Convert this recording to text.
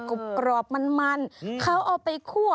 กรอบมันมันเขาเอาไปคั่ว